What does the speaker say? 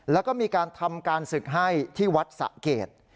แล้วก็มีการทำการศึกให้ที่วัดสะเกด